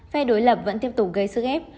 phe đối lập vẫn tiếp tục gây sức ép